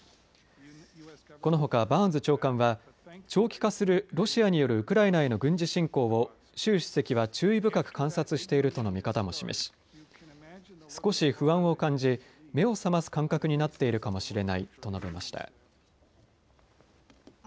このほかバーンズ長官は長期化するロシアによるウクライナへの軍事侵攻を習主席は注意深く観察しているとの見方も示し少し不安を感じ、目を覚ます感覚になっているかもしれないと述べました。